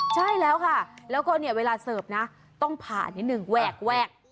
ใช่แล้วค่ะแล้วก็เนี่ยเวลาเสิร์ฟนะต้องผ่านนิดนึงแหวกแวก